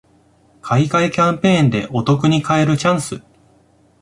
買い換えキャンペーンでお得に買えるチャンス